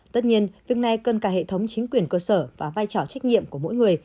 tất nhiên việc này cần cả hệ thống chính quyền cơ sở và vai trò trách nhiệm của mỗi người